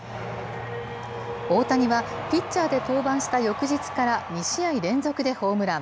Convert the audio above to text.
大谷はピッチャーで登板した翌日から２試合連続でホームラン。